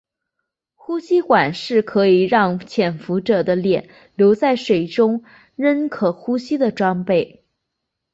呼吸管是可让浮潜者的脸留在水中仍可呼吸的装备。